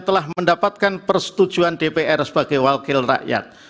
telah mendapatkan persetujuan dpr sebagai wakil rakyat